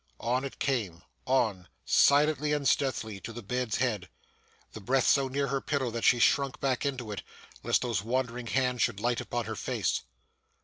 On it came on, silently and stealthily, to the bed's head. The breath so near her pillow, that she shrunk back into it, lest those wandering hands should light upon her face.